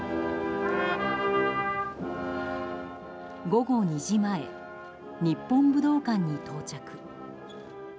午後２時前、日本武道館に到着。